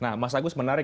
nah mas agus menarik